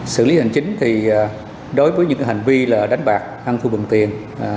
xử lý hành chính thì đối với những hành vi là đánh bạc ăn thu bừng tiền